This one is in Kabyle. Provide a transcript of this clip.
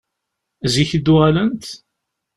Zik i d-uɣalent?